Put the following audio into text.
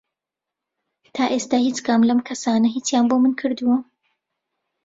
تا ئێستا هیچ کام لەم کەسانە هیچیان بۆ من کردووە؟